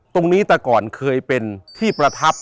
ตรงนี้แต่ก่อนเคยเป็นที่ประทับ